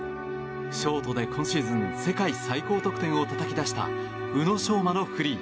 ショートで、今シーズン世界最高得点をたたき出した宇野昌磨のフリー。